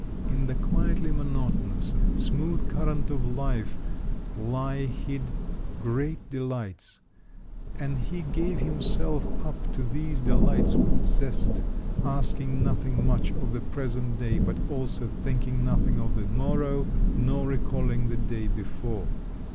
In the quietly monotonous, smooth current of life lie hid great delights, and he gave himself up to these delights with zest, asking nothing much of the present day, but also thinking nothing of the morrow, nor recalling the day before.